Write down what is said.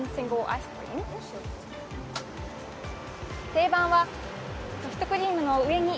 定番はソフトクリームの上に